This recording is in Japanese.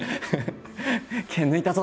剣抜いたぞ！